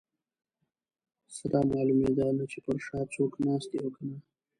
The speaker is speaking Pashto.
سره معلومېده نه چې پر شا څوک ناست دي او که نه.